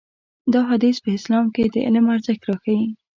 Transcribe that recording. دا حديث په اسلام کې د علم ارزښت راښيي.